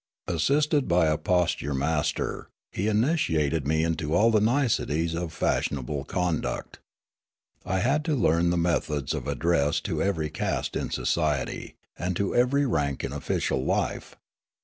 Assisted by a posture master, he initiated me The Language 33 into all the niceties of fashionable conduct. I had to learn the methods of address to every caste in society and to every rank in official life.